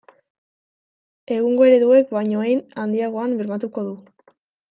Egungo ereduek baino hein handiagoan bermatuko du.